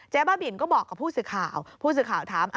บ้าบินก็บอกกับผู้สื่อข่าวผู้สื่อข่าวถาม